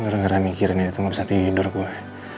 ngerah ngerah mikirin itu gak bisa tidur gue